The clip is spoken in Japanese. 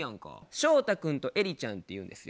翔太君とエリちゃんっていうんですよ。